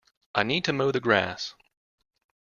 I need to mow the grass.